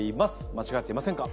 間違っていませんか？